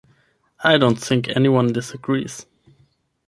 I don't think anyone disagrees.